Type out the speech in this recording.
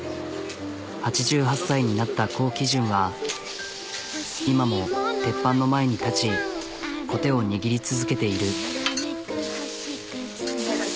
８８歳になった高姫順は今も鉄板の前に立ちこてを握り続けている。